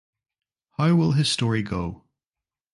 How will his story go?